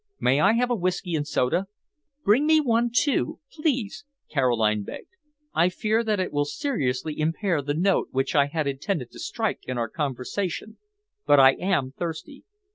May I have a whisky and soda?" "Bring me one, too, please," Caroline begged. "I fear that it will seriously impair the note which I had intended to strike in our conversation, but I am thirsty.